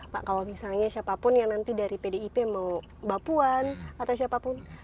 pak kalau misalnya siapapun yang nanti dari pdip mau mbak puan atau siapapun